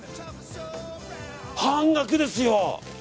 半額ですよ！